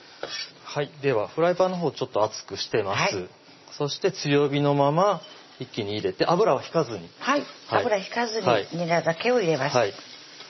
ではフライパンのほうちょっと熱くしてますそして強火のまま一気に入れて油はひかずにはい油ひかずににらだけを入れます